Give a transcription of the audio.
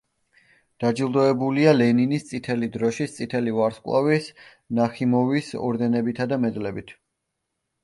დაჯილდოებულია ლენინის, წითელი დროშის, წითელი ვარსკვლავის, ნახიმოვის ორდენებითა და მედლებით.